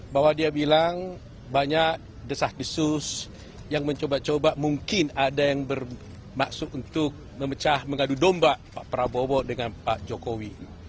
bahwa dia bilang banyak desak desa yang mencoba coba mungkin ada yang bermaksud untuk memecah mengadu domba pak prabowo dengan pak jokowi